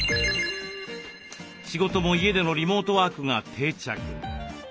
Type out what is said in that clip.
仕事も家でのリモートワークが定着。